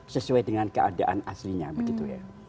sesuai dengan keadaan aslinya begitu ya